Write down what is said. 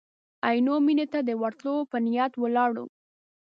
عینو مېنې ته د ورتلو په نیت ولاړو.